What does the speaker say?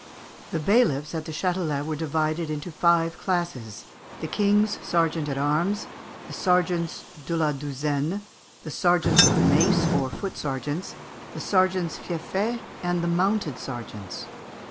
] The bailiffs at the Châtelet were divided into five classes: the king's sergeant at arms, the sergeants de la douzaine, the sergeants of the mace, or foot sergeants, the sergeants fieffés, and the mounted sergeants.